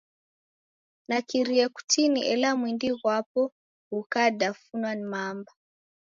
Nakirie kutini ela mwindi ghwapo ghukadafunwa ni mamba.